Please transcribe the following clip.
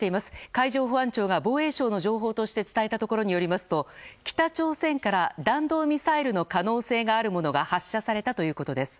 海上保安庁が防衛省の情報として伝えたところによりますと北朝鮮から弾道ミサイルの可能性があるものが発射されたということです。